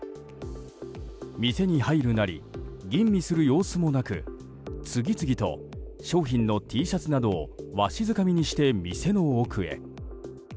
店に入るなり吟味する様子もなく次々と商品のＴシャツなどをわしづかみにして、店の奥へ。